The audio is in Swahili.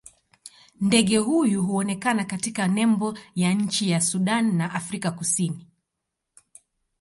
Ndege huyu huonekana katika nembo ya nchi za Sudan na Afrika Kusini.